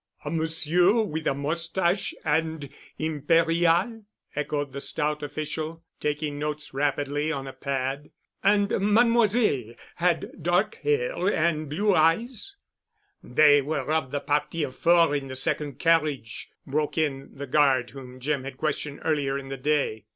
"A monsieur with a mustache and Imperiale?" echoed the stout official, taking notes rapidly on a pad. "And mademoiselle had dark hair and blue eyes——?" "They were of the party of four in the second carriage——," broke in the guard whom Jim had questioned earlier in the day.